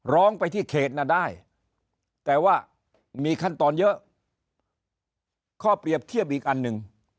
ร้องไปที่เขตน่ะได้แต่ว่ามีขั้นตอนเยอะข้อเปรียบเทียบอีกอันหนึ่ง